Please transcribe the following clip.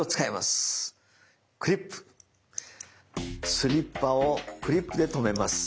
スリッパをクリップで留めます。